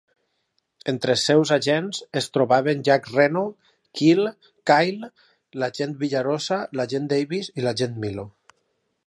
Entre els seus agents es trobaven Jack Reno, Keel, Kyle, l'agent Villarosa, l'agent Davis i l'agent Milo.